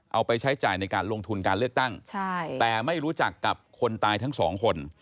เอาไปใช้จ่ายในการลงทุนการเลือกตั้งแต่ไม่รู้จักกับคนตายทั้งสองคน